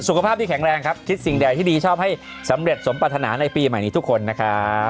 สุขภาพที่แข็งแรงครับคิดสิ่งใดที่ดีชอบให้สำเร็จสมปรัฐนาในปีใหม่นี้ทุกคนนะครับ